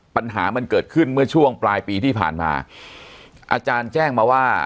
ปัญหามันเกิดขึ้นเมื่อช่วงปลายปีที่ผ่านมาอาจารย์แจ้งมาว่า